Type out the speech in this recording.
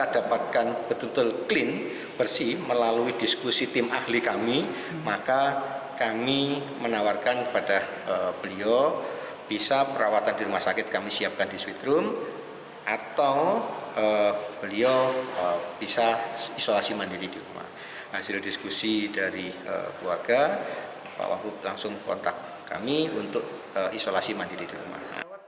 hasil diskusi dari keluarga pak wabub langsung kontak kami untuk isolasi mandiri di rumah